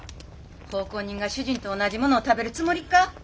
奉公人が主人と同じものを食べるつもりか？